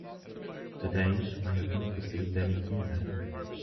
Today, I have not received any e-mail.